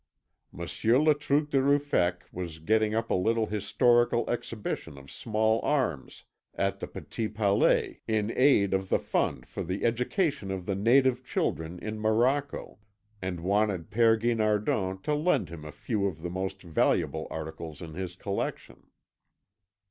Monsieur Le Truc de Ruffec was getting up a little historical exhibition of small arms at the Petit Palais in aid of the fund for the education of the native children in Morocco and wanted Père Guinardon to lend him a few of the most valuable articles in his collection.